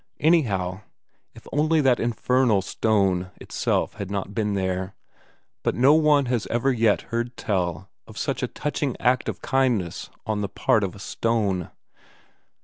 Anyhow, if only that infernal stone itself had not been there but no one has ever yet heard tell of such a touching act of kindness on the part of a stone.